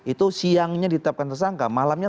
itu siangnya ditetapkan tersangka malamnya